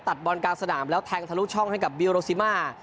บอลกลางสนามแล้วแทงทะลุช่องให้กับบิลโรซิมา